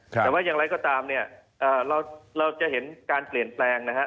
แต่ว่าอย่างไรก็ตามเนี่ยเราจะเห็นการเปลี่ยนแปลงนะฮะ